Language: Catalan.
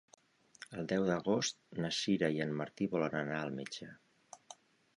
El deu d'agost na Sira i en Martí volen anar al metge.